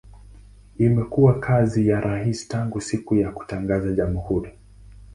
Imekuwa makazi ya rais tangu siku ya kutangaza jamhuri.